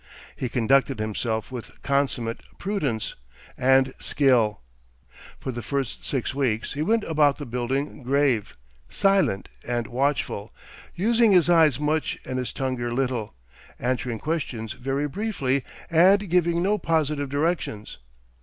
He conducted himself with consummate prudence and skill. For the first six weeks he went about the building grave, silent, and watchful, using his eyes much and his tongue little, answering questions very briefly, and giving no positive directions.